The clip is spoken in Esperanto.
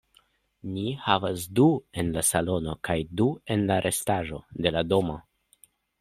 Ni havas du en la salono kaj du en la restaĵo de la domo.